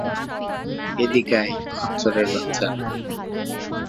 এদিকে আয়, খচ্চরের বাচ্চা!